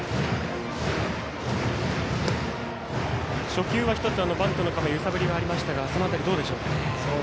初球はバントの構え揺さぶりはありましたがその辺り、どうでしょうか。